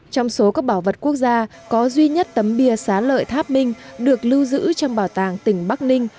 trong số các bảo vật quốc gia có duy nhất tấm bia xá lợi tháp minh được lưu giữ trong bảo tàng tỉnh bắc ninh